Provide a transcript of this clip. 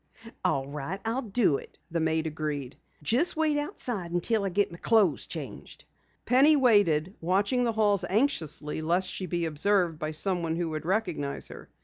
"All right, I'll do it," the maid agreed. "Just wait outside until I get my clothes changed." Penny waited, watching the halls anxiously lest she be observed by someone who would recognize her.